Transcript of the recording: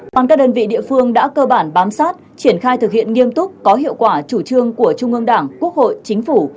công an các đơn vị địa phương đã cơ bản bám sát triển khai thực hiện nghiêm túc có hiệu quả chủ trương của trung ương đảng quốc hội chính phủ